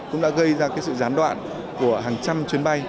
cũng đã gây ra sự gián đoạn của hàng trăm chuyến bay